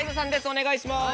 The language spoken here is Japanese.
お願いします。